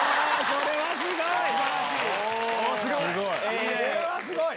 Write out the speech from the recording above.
これはすごい。